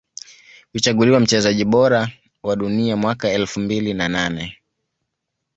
Kuchaguliwa mchezaji bora wa Dunia mwaka elfu mbili na nane